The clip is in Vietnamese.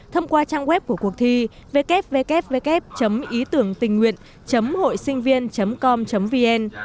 thông qua trang web của cuộc thi www ýtườngtìnhnguyện hộixinhvien com vn